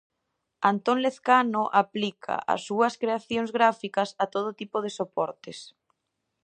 Antón Lezcano aplica as súas creacións gráficas a todo tipo de soportes.